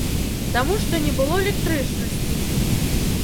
Таму што не было электрычнасці!